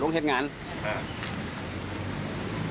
ใส่แก่นึงนี่